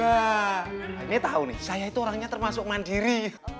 wah ini tau nih saya itu orangnya termasuk mandiri